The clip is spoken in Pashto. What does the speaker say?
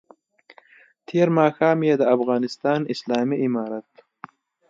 تېر ماښام یې د افغانستان اسلامي امارت